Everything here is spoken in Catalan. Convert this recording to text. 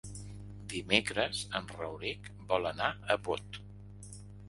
Dimecres en Rauric vol anar a Bot.